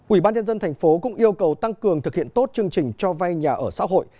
ủy ban nhân dân thành phố cũng yêu cầu tăng cường thực hiện tốt chương trình cho vay nhà ở xã hội